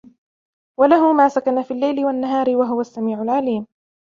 وله ما سكن في الليل والنهار وهو السميع العليم